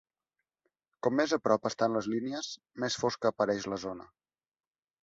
Com més a prop estan les línies, més fosca apareix la zona.